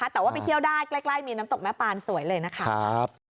แต่ว่าไปเที่ยวได้ใกล้มีน้ำตกแม่ปานสวยเลยนะคะ